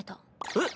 えっ？